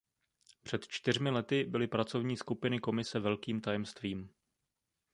Před čtyřmi lety byly pracovní skupiny Komise velkým tajemstvím.